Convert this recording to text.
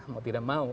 mau tidak mau